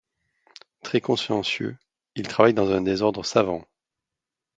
Très consciencieux, il travaille dans un désordre savant.